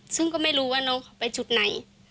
ซึ่งก็ไม่รู้ว่าน้องเขาไปจุดไหน